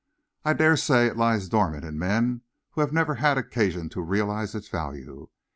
I dare say it lies dormant in men who have never had occasion to realize its value.